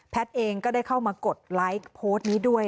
เองก็ได้เข้ามากดไลค์โพสต์นี้ด้วย